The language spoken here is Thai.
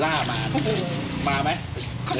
แล้วทางคุณพี่ทานีเขาเคยเอาพวกเนื้อสัตว์สัตว์ปลาที่ไปล่ามา